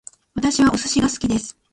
私はお寿司が好きです